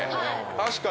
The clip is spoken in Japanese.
確かに。